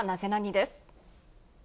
です。